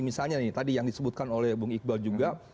misalnya nih tadi yang disebutkan oleh bung iqbal juga